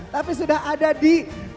tapi sudah ada di